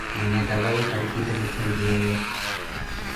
Mwinettha vai, tariki ettho mwitthonyiyeeyo?